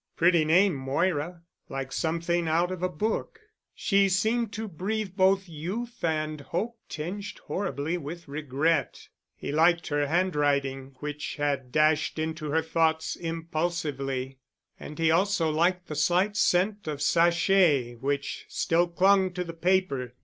Pretty name—Moira! Like something out of a book. She seemed to breathe both youth and hope tinged horribly with regret. He liked her handwriting which had dashed into her thoughts impulsively, and he also liked the slight scent of sachet which still clung to the paper.